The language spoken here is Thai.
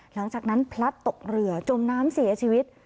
หลังจากนั้นพลัดตกเหลือจมน้ำเสียชีวิต